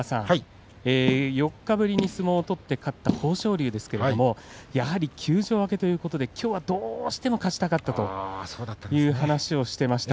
４日ぶりに相撲を取って勝った豊昇龍ですけれどやはり休場明けということできょうはどうしても勝ちたかったという話をしていました。